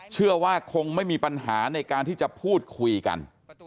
เชื่อว่าคงไม่มีปัญหาในการที่จะพูดคุยกัน